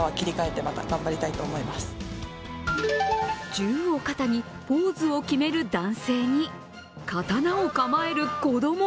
銃を肩にポーズを決める男性に刀を構える子供。